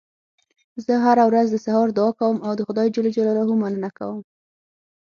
زه هره ورځ د سهار دعا کوم او د خدای ج مننه کوم